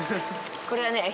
これはね